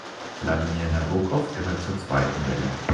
Vladimir Nabokov gehört zur Zweiten Welle.